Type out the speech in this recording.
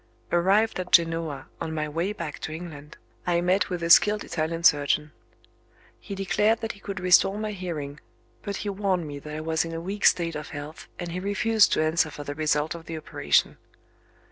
"Arrived at Genoa, on my way back to England, I met with a skilled Italian surgeon. He declared that he could restore my hearing but he warned me that I was in a weak state of health, and he refused to answer for the result of the operation.